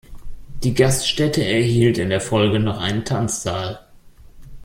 Die Gaststätte erhielt in der Folge noch einen Tanzsaal.